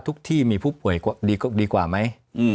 ที่มีผู้ป่วยดีกว่าไหม